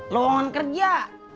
lu wongan kerja